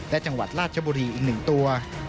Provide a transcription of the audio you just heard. และจังหวัดราชบุรีอีก๑ตัว